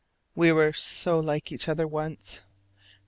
We were so like each other once.